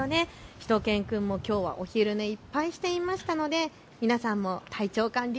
しゅと犬くんもきょうはお昼寝いっぱいしていましたので皆さんも体調管理